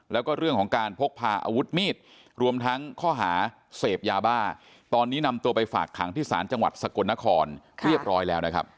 แล้วก็เรื่องของการพกพาอาวุธมีดรวมทั้งข้อหาเสพยาบ้าตอนนี้นำตัวไปฝากขังที่ศาลจังหวัดสกลนครเรียบร้อยแล้วนะครับ